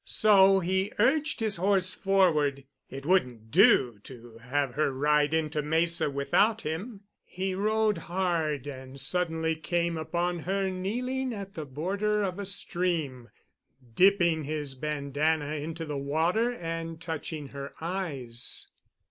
So he urged his horse forward. It wouldn't do to have her ride into Mesa without him. He rode hard and suddenly came upon her kneeling at the border of a stream, dipping his bandana into the water and touching her eyes.